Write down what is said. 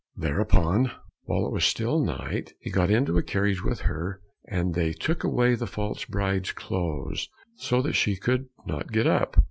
Thereupon, while it was still night, he got into a carriage with her, and they took away the false bride's clothes so that she could not get up.